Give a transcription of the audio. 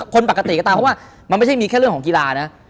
คนปกติก็ตามเพราะว่ามันไม่ใช่มีแค่เรื่องของกีฬานะ